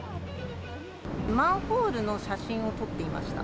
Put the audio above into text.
マンホールの写真を撮っていました。